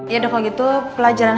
ya udah kalau gitu pelajaran